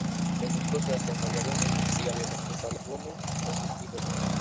Los músicos Sebastián Farías Gómez y Gabriel Martín Farías Gómez, son sus hijos.